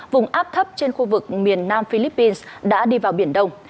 vùng áp thấp trên khu vực miền nam philippines đã đi vào biển đông